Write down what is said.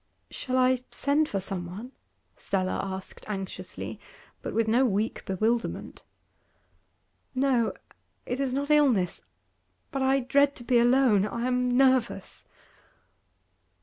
'Shall I send for some one?' Stella asked anxiously, but with no weak bewilderment. 'No; it is not illness. But I dread to be alone; I am nervous.